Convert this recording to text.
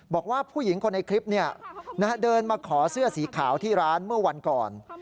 บอกว่าผู้หญิงคนในคลิปเดินมาขอเสื้อสีขาวที่ร้านเมื่อวันก่อน